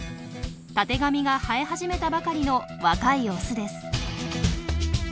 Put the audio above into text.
たてがみが生え始めたばかりの若いオスです。